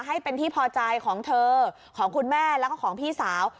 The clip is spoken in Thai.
ให้เป็นที่พอใจของเธอของคุณแม่แล้วก็ของพี่สาว